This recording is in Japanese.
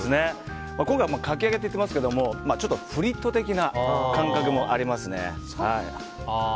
今回、かき揚げって言ってますけどフリット的な感覚もありますね。